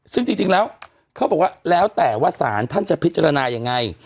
ซึ่งจริงแล้วเขาบอกว่าแล้วแต่ว่าศาลท่านจะพิจารณายังไง